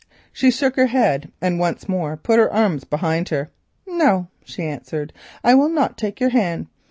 She shook her head and once more put her arms behind her. "No," she answered, "I will not take your hand.